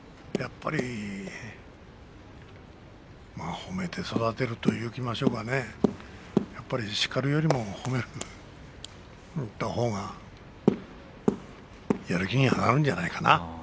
褒めて育てるというのはねやはり叱るよりも褒めたほうがやる気にはなるんじゃないかな。